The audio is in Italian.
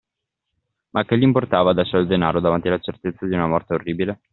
Ma che gli importava adesso del denaro, davanti alla certezza di una morte orribile?